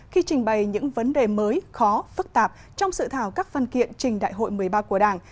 khi trình bày những vấn đề mới khó phức tạp trong sự thảo các văn kiện trình đại hội một mươi ba của đảng